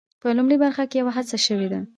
په لومړۍ برخه کې یوه هڅه شوې ده.